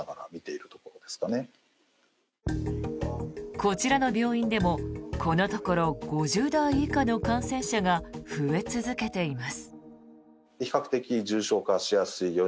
こちらの病院でもこのところ５０代以下の感染者が増え続けています。